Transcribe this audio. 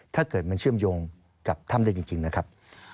ถ้าเกิดมันเชื่อมโยงกับถ้ำได้จริงนะครับ